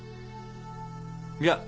いや。